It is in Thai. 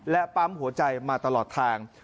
และปั๊มหัวใจมาตลอดทาง